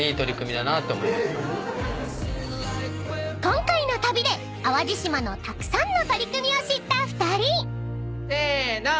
［今回の旅で淡路島のたくさんの取り組みを知った２人］せーの。